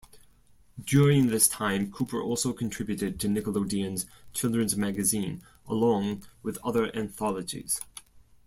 During this time, Cooper also contributed to Nickelodeon's children's magazine along with other anthologies.